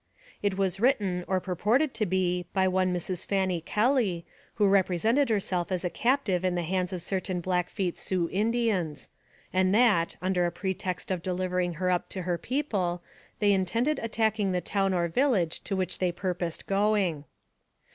It was written, or purported to be, by one Mrs. Fanny Kelly, who represented herself as a captive in the hands of certain Blackfeet Sioux Indians; and that, under a pretext of delivering her up to her people, they in tended attacking the town or village to which they purposed going.